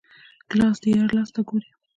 ګیلاس د یار لاس ته ګوري.